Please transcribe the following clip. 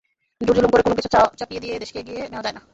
জোর-জুলুম করে কোনো কিছু চাপিয়ে দিয়ে দেশকে এগিয়ে নেওয়া যায় না।